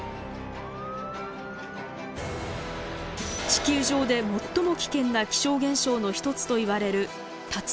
地球上で最も危険な気象現象の一つといわれる竜巻。